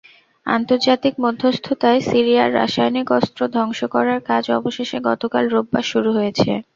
আন্তর্জাতিক মধ্যস্থতায় সিরিয়ার রাসায়নিক অস্ত্র ধ্বংস করার কাজ অবশেষে গতকাল রোববার শুরু হয়েছে।